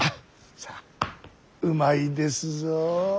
さあうまいですぞ。